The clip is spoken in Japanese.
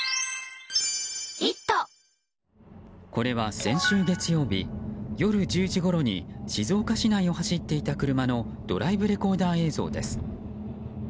これは先週月曜日夜１０時ごろに静岡市内を走っていた車のドライブレコーダー映像です。